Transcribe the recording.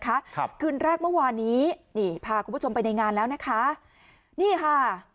ครับคืนแรกเมื่อวานนี้นี่พาคุณผู้ชมไปในงานแล้วนะคะนี่ค่ะ